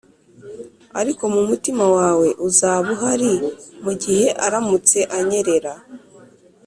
ariko mu mutima wawe uzaba uhari mugihe aramutse anyerera.